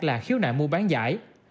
là khiếu nại mua bán giải